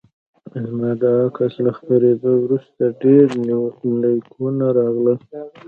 زما د عکس له خپریدو وروسته ډیر لیکونه راغلل